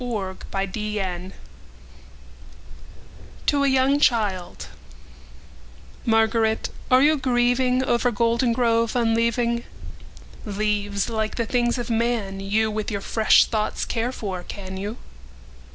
Spring and Fall to a young childMÁRGARÉT, áre you gríevingOver Goldengrove unleaving? Leáves, líke the things of man, youWith your fresh thoughts care for, can you?